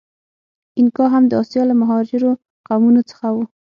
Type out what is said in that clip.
اینکا هم د آسیا له مهاجرو قومونو څخه و.